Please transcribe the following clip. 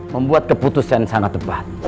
membuat keputusan sangat tepat